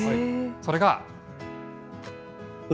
それが。